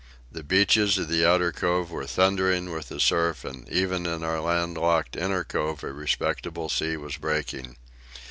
The beaches of the outer cove were thundering with the surf, and even in our land locked inner cove a respectable sea was breaking.